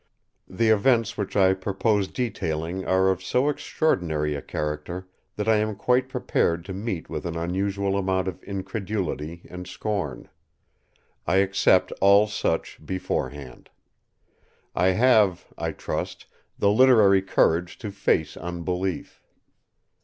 The events which I purpose detailing are of so extraordinary a character that I am quite prepared to meet with an unusual amount of incredulity and scorn. I accept all such beforehand. I have, I trust, the literary courage to face unbelief.